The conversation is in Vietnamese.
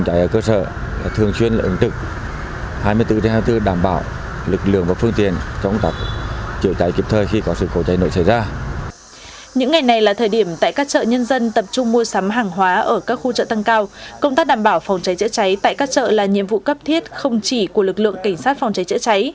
công tác đảm bảo phòng cháy chữa cháy tại các chợ là nhiệm vụ cấp thiết không chỉ của lực lượng cảnh sát phòng cháy chữa cháy